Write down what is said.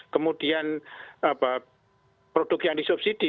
kemudian produk yang disubsidi